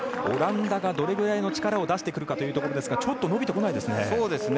オランダがどれぐらいの力を出してくるかというところですがちょっと伸びてこないですね。